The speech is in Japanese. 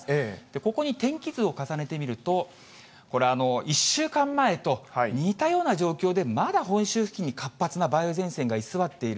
ここに天気図を重ねてみると、これ、１週間前と似たような状況で、まだ本州付近に活発な梅雨前線が居座っている。